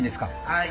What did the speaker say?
はい。